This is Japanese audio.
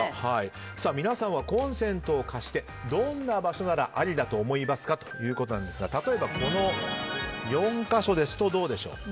皆さんは、コンセント貸してどんな場所ならありだと思いますかということなんですが例えばこの４か所ですとどうでしょう。